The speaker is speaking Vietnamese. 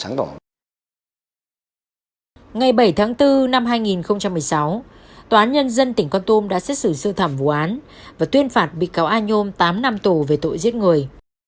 ngày bảy tháng bốn năm hai nghìn một mươi sáu tòa án nhân dân tỉnh con tum đã xét xử sư thẩm vụ án và tuyên phạt bị cáo a nhôm tám năm tù về tội giết người